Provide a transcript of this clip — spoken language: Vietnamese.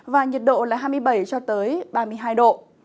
và nhiệt độ là hai mươi bảy ba mươi hai độ